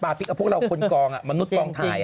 ฟิกพวกเราคนกองมนุษย์กองถ่าย